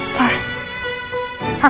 aku gak kenapa kenapa